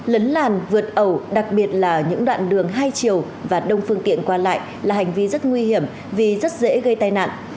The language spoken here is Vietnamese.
lấn làn vượt ẩu đặc biệt là những đoạn đường hai chiều và đông phương tiện qua lại là hành vi rất nguy hiểm vì rất dễ gây tai nạn